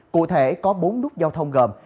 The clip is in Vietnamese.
cụ thể có bốn nút giao thông gồm